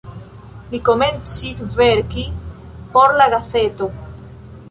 Li komencis verki por la gazeto.